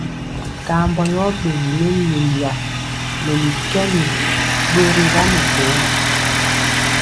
Kambɔ yɔ ɓegi leliga kɛni, ɗori ga mɛkoo.